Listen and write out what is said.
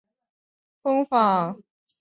如今的马甸地区元朝时属于可封坊。